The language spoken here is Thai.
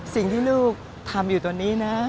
สิ่งที่ลูกทำอยู่ตอนนี้นะ